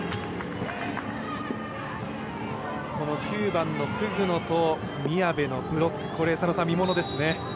９番のクグノと宮部のブロックこれ見ものですね。